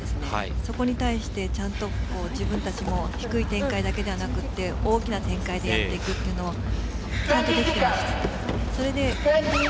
そこに対してちゃんと自分たちも低い展開だけではなく大きな展開でやっていくというのをちゃんとできています。